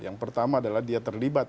yang pertama adalah dia terlibat